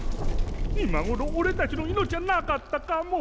今ごろオレたちの命はなかったかも。